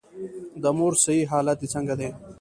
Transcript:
د مور صحي حالت دي څنګه دی؟